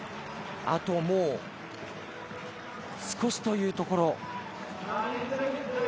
あともう少しというところ。